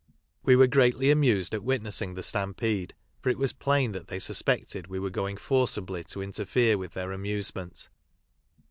We were greatly amused at witnessing the stampede, for it was plain that they suspected we were going forcibly to interfere with their amuse ment.